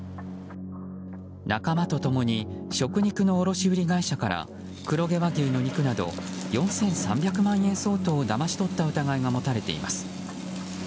仲間と共に食肉の卸売会社から黒毛和牛の肉など４３００万円相当をだまし取った疑いが持たれています。